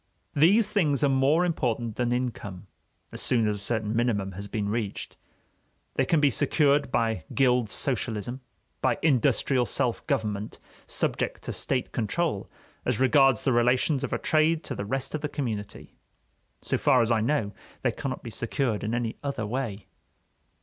These things are more important than income, as soon as a certain minimum has been reached. They can be secured by gild socialism, by industrial self government subject to state control as regards the relations of a trade to the rest of the community. So far as I know, they cannot be secured in any other way.